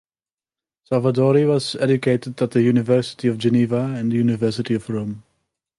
Salvadori was educated at the University of Geneva and the University of Rome.